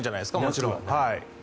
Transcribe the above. もちろん。